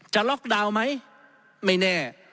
ล็อกดาวน์ไหมไม่แน่